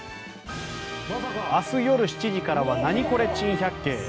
明日夜７時からは「ナニコレ珍百景」。